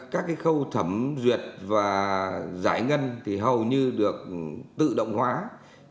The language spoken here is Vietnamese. các khâu thẩm duyệt và giải ngân hầu như được tự động hoạt động